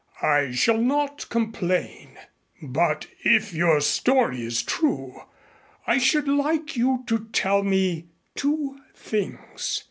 I shall not complain. But if your story is true, I should like you to tell me two things.